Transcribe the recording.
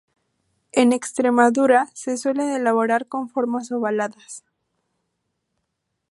En Extremadura se suelen elaborar con formas ovaladas.